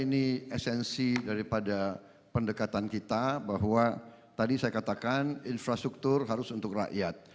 ini esensi daripada pendekatan kita bahwa tadi saya katakan infrastruktur harus untuk rakyat